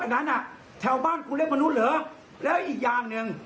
นั้นอ่ะแถวบ้านกูเรียกมนุษย์เหรอแล้วอีกอย่างหนึ่ง